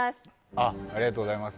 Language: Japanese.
ありがとうございます